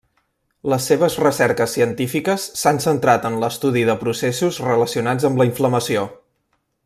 Les seves recerques científiques s'han centrat en l'estudi de processos relacionats amb la inflamació.